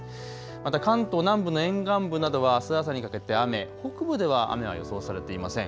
また関東南部の沿岸部などはあす朝にかけて雨、北部では雨は予想されていません。